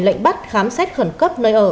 lệnh bắt khám xét khẩn cấp nơi ở